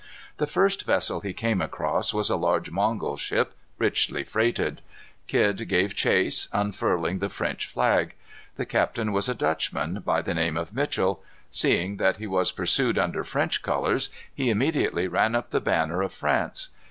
The first vessel he came across was a large Mongol ship richly freighted. Kidd gave chase, unfurling the French flag. The captain was a Dutchman, by the name of Mitchel. Seeing that he was pursued under French colors, he immediately ran up the banner of France.